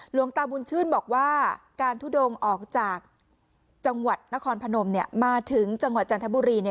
หลวงตาบุญชื่นบอกว่าการทุดงออกจากจังหวัดนครพนมมาถึงจังหวัดจันทบุรี